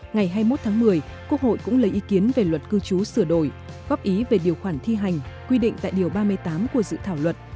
ngày hai mươi một tháng một mươi quốc hội cũng lấy ý kiến về luật cư trú sửa đổi góp ý về điều khoản thi hành quy định tại điều ba mươi tám của dự thảo luật